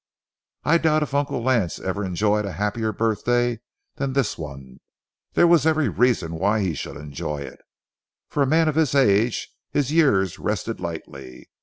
I doubt if Uncle Lance ever enjoyed a happier birthday than this one. There was every reason why he should enjoy it. For a man of his age, his years rested lightly.